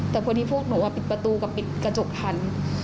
แต่พอดีพวกหนูปิดประตูกับปิดกระจกทัน